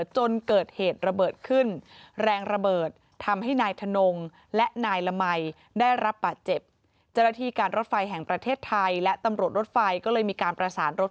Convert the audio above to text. เจ็บจรฐีการรถไฟแห่งประเทศไทยและตำลดรถไฟก็เลยมีการประสานรถ